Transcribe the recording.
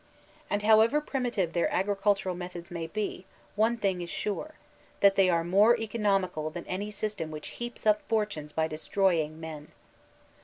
And however primitive their agricultural methods may be, one thing is sure ; that they are more economical than any system which heaps up fortunes by destroying men.